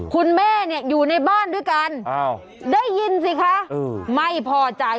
คุณแม่เนี่ยอยู่ในบ้านด้วยกันได้ยินสิคะไม่พอใจ